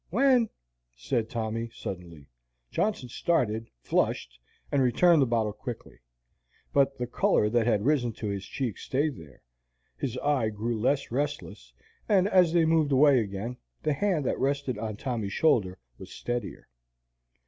"When," said Tommy, suddenly. Johnson started, flushed, and returned the bottle quickly. But the color that had risen to his cheek stayed there, his eye grew less restless, and as they moved away again, the hand that rested on Tommy's shoulder was steadier.